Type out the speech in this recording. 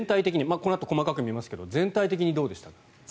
このあと細かく見ますけれど全体的にどうでした？